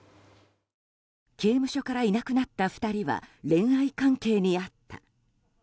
刑務所からいなくなった２人は恋愛関係にあった。